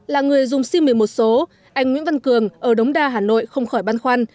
là người dùng sim một mươi một số anh nguyễn văn cường ở đống đa hà nội không khỏi băn khoăn